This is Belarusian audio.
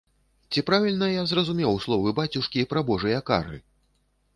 Ці правільна я зразумеў словы бацюшкі пра божыя кары?